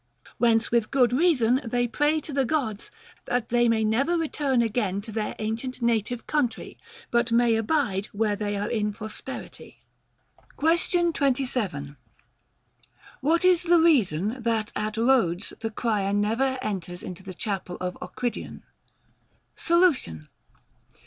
Whence with good reason they pray to the Gods that they may never return again to their ancient native country, but may abide where they are in prosperity. Question 27. What is the reason that at Rhodes the crier never enters into the chapel of Ocridion ? Solution.